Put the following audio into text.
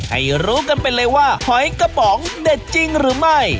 ให้รู้กันไปเลยว่าหอยกระป๋องเด็ดจริงหรือไม่